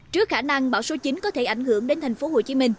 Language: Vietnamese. trước khả năng bão số chín có thể ảnh hưởng đến tp hcm